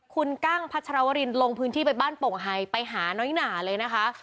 คุณกั้งพัชรวรินลงพื้นที่ไปบ้านโป่งไฮไปหาน้อยหนาเลยนะคะ